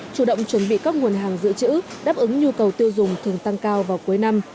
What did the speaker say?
chủ động chuẩn bị các nguồn hàng dự trữ đáp ứng nhu cầu tiêu dùng thường tăng cao vào cuối năm